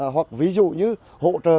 hoặc ví dụ như hỗ trợ